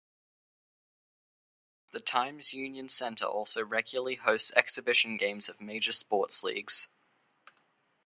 The Times Union Center also regularly hosts exhibition games of major sports leagues.